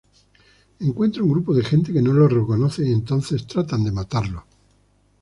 Encuentra un grupo de gente que no lo reconoce y entonces tratan de matarlo.